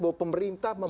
bahwa pemerintah membatasi